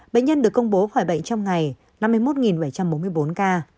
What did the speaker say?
bệnh nhân được công bố khỏi bệnh trong ngày năm mươi một bảy trăm bốn mươi bốn ca